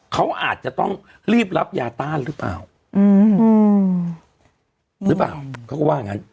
เขาอาจจะต้องรีบรับยาต้านหรือเปล่าเขาก็ว่างั้น